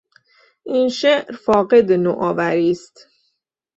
این شعر فاقد نوآوری است.